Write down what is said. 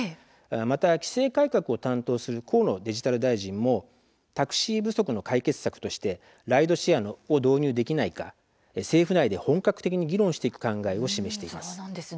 また、規制改革を担当する河野デジタル大臣もタクシー不足の解決策としてライドシェアを導入できないか政府内で本格的に議論していく考えを示しています。